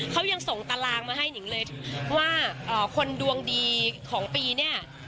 เขายังส่งตารางมาให้นิงเลยว่าคนดวงดีของปีเนี่ย